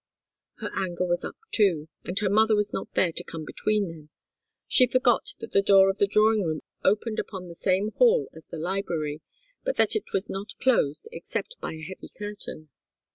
Her anger was up, too, and her mother was not there to come between them. She forgot that the door of the drawing room opened upon the same hall as the library, but that it was not closed except by a heavy curtain.